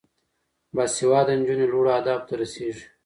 باسواده نجونې لوړو اهدافو ته رسیږي.